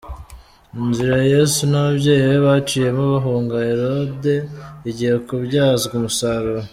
Inzira Yesu n’ ababyeyi be baciyemo bahunga Herode igiye kubyazwa umusaro .